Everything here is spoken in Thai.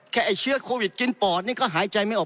ไอ้เชื้อโควิดกินปอดนี่ก็หายใจไม่ออก